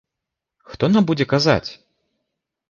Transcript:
Хто нам будзе казаць?